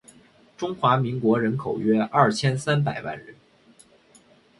中华民国人口约二千三百万人